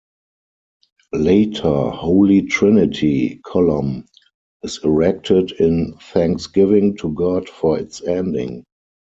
Later Holy Trinity column is erected in thanksgiving to God for its ending.